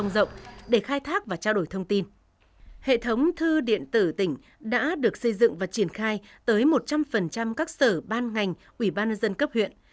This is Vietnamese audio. để khai thác và trao đổi thông tin hệ thống thư điện tử tỉnh đã được xây dựng và triển khai tới một trăm linh các sở ban ngành ủy ban dân các huyện